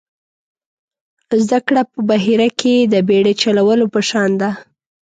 زده کړه په بحیره کې د بېړۍ چلولو په شان ده.